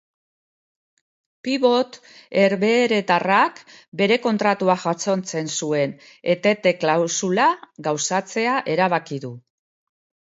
Pibot herbeheretarrak bere kontratuak jasotzen zuen etete-klausula gauzatzea erabaki du.